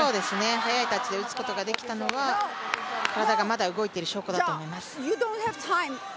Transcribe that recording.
速いタッチで打つことができたのは、体がまだ動いている証拠だと思います。